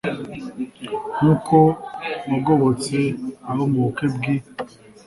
nk'uko wagobotse abo mu bukwe bw'i